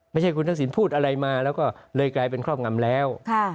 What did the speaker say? ไม่ใช่คุณทักษิณพูดอะไรมาแล้วก็เลยกลายเป็นครอบงำแล้ว